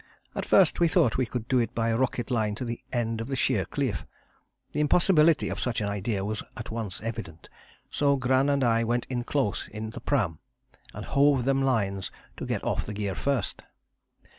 At first we thought we would do it by a rocket line to the end of the sheer cliff. The impossibility of such an idea was at once evident, so Gran and I went in close in the pram, and hove them lines to get off the gear first.